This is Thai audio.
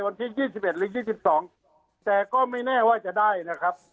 วันที่๒๑หรือ๒๒แต่ก็ไม่แน่ว่าจะได้นะครับ